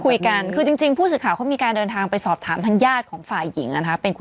ถุงทางเป็นผู้ศึกขาวเค้ามีการเดินทางไปสอบถามทางหญาติของฝ่ายหญิง